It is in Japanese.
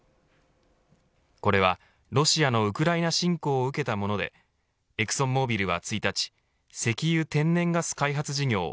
これはロシアのウクライナ侵攻を受けたものでエクソンモービルは１日石油・天然ガス開発事業